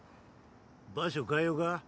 場所変えよか？